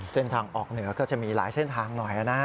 เส้นทางออกเหนือก็จะมีหลายเส้นทางหน่อยนะ